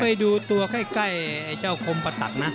ไปดูตัวใกล้ไอ้เจ้าคมประตักนะ